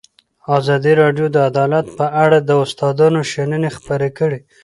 ازادي راډیو د عدالت په اړه د استادانو شننې خپرې کړي.